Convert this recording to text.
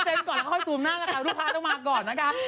ซูมก่อนค่อยจะซูมหน้านะคะลูกพายต้องมาก่อนนะคะ